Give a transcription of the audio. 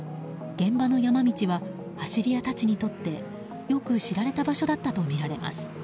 現場の山道は走り屋たちにとってよく知られた場所だったとみられます。